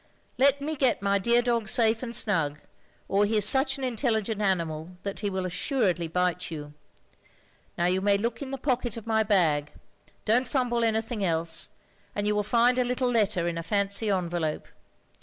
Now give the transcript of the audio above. Let me get my dear dog safe and snug, or he is such an intelligent animal that he will assuredly bite you. Now you may look in the pocket of my bag — don't fumble anything else — ^and you will find a little letter in a fancy envelope.